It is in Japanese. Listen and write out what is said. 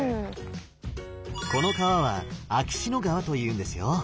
この川は秋篠川というんですよ。